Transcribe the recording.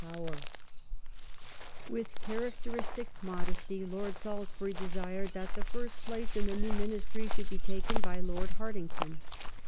Lord With characteristic modesty Lord Salisbury desired that the ^^'*V first place in the new Ministry should be taken by Lord Harting Second ton.